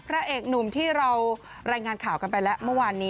พระเอกหนุ่มที่เราแรงงานข่าวกันไปแล้วเมื่อวานที่นะครับ